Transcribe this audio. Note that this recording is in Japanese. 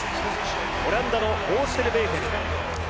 オランダのオーステルベーヘル。